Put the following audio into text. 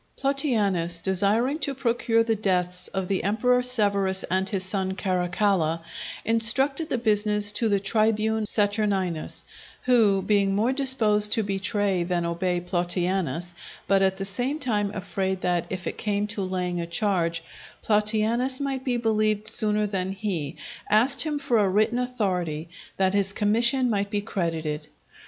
Plautianus, desiring to procure the deaths of the Emperor Severus and his son Caracalla, intrusted the business to the tribune Saturninus, who, being more disposed to betray than obey Plautianus, but at the same time afraid that, if it came to laying a charge, Plautianus might be believed sooner than he, asked him for a written authority, that his commission might be credited.